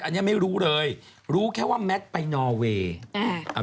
อันนี้ไม่รู้เลยรู้แค่ว่าแมทไปนอเวย์อ่า